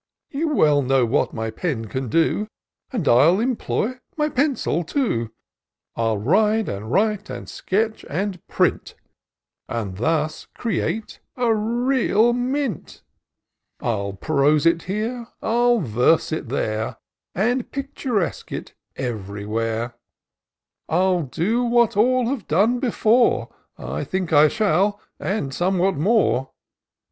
You well know what my pen can do, And I'll employ my pencil too :— I'll ride and writey and sketch and print y And thus create a real mint ; I'll prose it here, I'll verse it there, And picturesque it ev'ry where : I'U do what all have done before ; I think I shall — and somewhat more ; IN SEARCH OF THE PICTURESaUE.